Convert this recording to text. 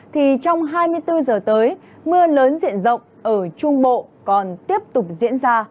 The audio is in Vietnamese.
thì trong hai mươi bốn giờ tới mưa lớn diện rộng ở trung bộ còn tiếp tục diễn ra